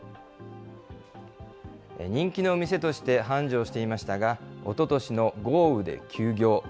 人気の店として繁盛していましたが、おととしの豪雨で休業。